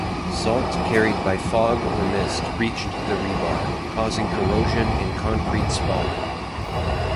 Salt carried by fog or mist reached the rebar, causing corrosion and concrete spalling.